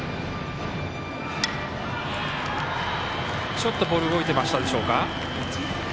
ちょっとボール動いていましたでしょうか。